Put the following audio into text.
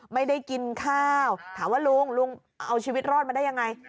ไม่ได้กินข้าวถามว่าลุงลุงเอาชีวิตรอดมาได้ยังไง